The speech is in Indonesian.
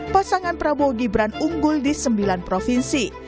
pasangan prabowo gibran unggul di sembilan provinsi